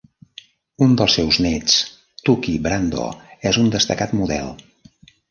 Un dels seus néts, Tuki Brando, és un destacat model.